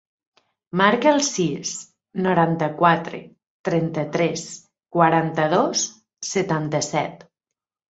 Marca el sis, noranta-quatre, trenta-tres, quaranta-dos, setanta-set.